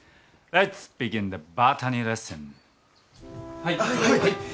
はい！